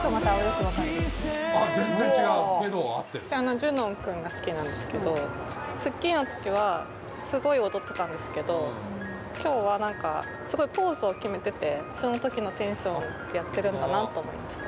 ジュノン君が好きなんですけど、スッキリのときはすごい踊ってたんですけど、きょうはなんか、すごいポーズを決めてて、そのときのテンションでやってるんだなと思いました。